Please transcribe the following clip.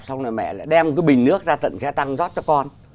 xong rồi mẹ lại đem cái bình nước ra tận xe tăng rót cho con